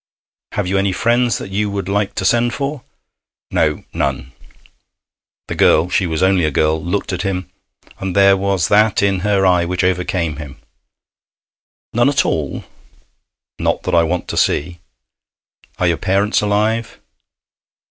'Have you any friends that you would like to send for?' 'No, none.' The girl she was only a girl looked at him, and there was that in her eye which overcame him. 'None at all?' 'Not that I want to see.' 'Are your parents alive?'